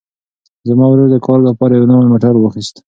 زما ورور د کار لپاره یو نوی موټر واخیست.